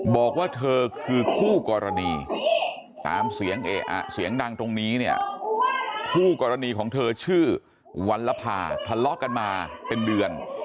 บอกว่าเธอคือคู่กรณีตามเสียงดังตรงนี้เนี่ยคู่กรณีของเธอชื่อวัลภาทะเลาะกันมาเป็นเดือน